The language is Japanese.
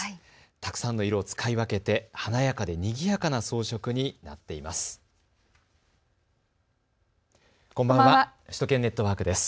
たくさんの色を使い分けて華やかでにぎやかな装飾になっています。